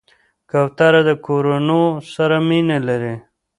کوتره د کورونو سره مینه لري.